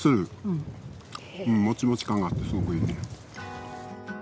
もちもち感があってすごくいいね。